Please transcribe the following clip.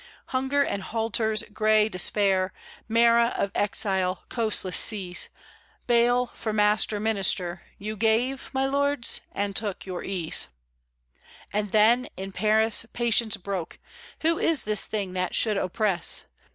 Hunger and halters, grey despair, Marah of exile, coastless seas, Baal for master minister You gave, my lords, and took your ease. And then, in Paris, patience broke; "Who is this thing that should oppress?"